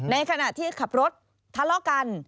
ในขณะที่ขับรถทะเลาะกัน